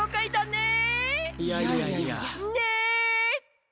ねえ！